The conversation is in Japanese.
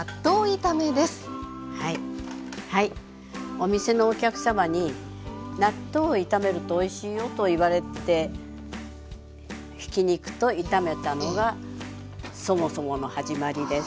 お店のお客様に納豆を炒めるとおいしいよと言われてひき肉と炒めたのがそもそもの始まりです。